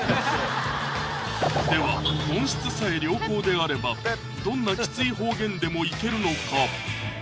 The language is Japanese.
では音質さえ良好であればどんなきつい方言でもいけるのか？